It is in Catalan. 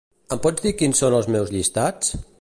Em pots dir quins són els meus llistats?